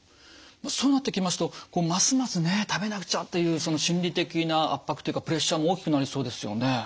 そうなってきますとますますね食べなくちゃっていうその心理的な圧迫というかプレッシャーも大きくなりそうですよね。